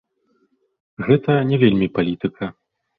Гэта не вельмі палітыка.